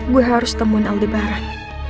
gue harus temuin aldebaran